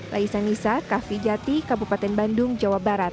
laisa nisa kahvi jati kabupaten bandung jawa barat